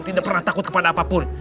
tidak pernah takut kepada apapun